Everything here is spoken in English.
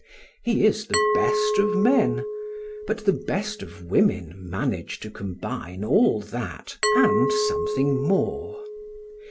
He is the best of men, but the best of women manage to combine all that and something more.